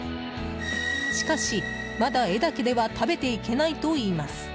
しかし、まだ絵だけでは食べていけないといいます。